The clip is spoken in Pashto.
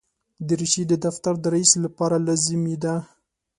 دریشي د دفتر د رئیس لپاره لازمي ده.